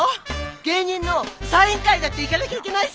芸人のサイン会だって行かなきゃいけないし！